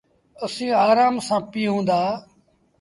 اسيٚݩ آرآم سآݩ پيٚئون دآ۔